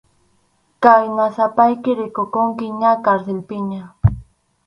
Khayna sapayki rikukunki ña karsilpiña.